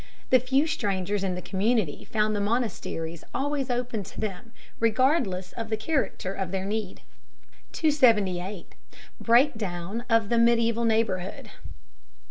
The few strangers in the community found the monasteries always open to them, regardless of the character of their need. 278. BREAKDOWN OF THE MEDIEVAL NEIGHBORHOOD.